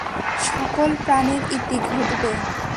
সকল প্রাণের ইতি ঘটবে।